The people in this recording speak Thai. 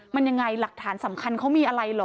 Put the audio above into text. มันยังไงหลักฐานสำคัญเขามีอะไรเหรอ